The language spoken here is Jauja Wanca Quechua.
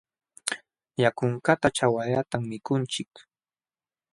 Yakunkaqta ćhawallatam mikunchik.